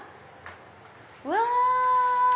うわ！